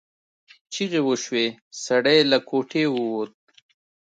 چیغې وشوې سړی له کوټې ووت.